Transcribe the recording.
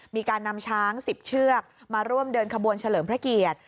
มีการนำช้าง๑๐เชือกมาร่วมเดินขบวนเฉลิมพระเกียรติ